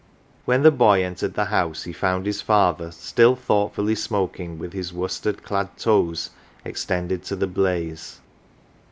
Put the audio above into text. When the boy entered the house he found his father still thoughtfully smoking with his worsted clad toes extended to the blaze.